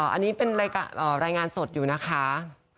อันนี้เป็นรายงานสดอยู่นะคะ